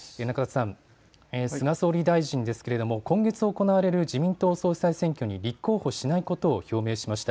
菅総理大臣ですけれども今月行われる自民党総裁選挙に立候補しないことを表明しました。